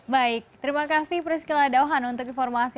baik terima kasih priscila dauhan untuk informasi